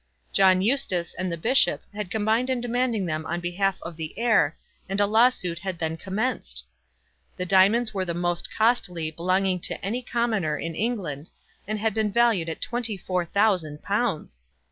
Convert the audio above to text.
John Eustace and the bishop had combined in demanding them on behalf of the heir, and a lawsuit had then commenced! The diamonds were the most costly belonging to any Commoner in England, and had been valued at twenty four thousand pounds!